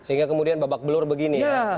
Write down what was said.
sehingga kemudian babak belur begini